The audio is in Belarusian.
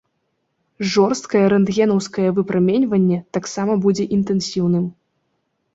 Жорсткае рэнтгенаўскае выпраменьванне таксама будзе інтэнсіўным.